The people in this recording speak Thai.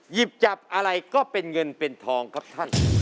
หยิบจับอะไรก็เป็นเงินเป็นทองครับท่าน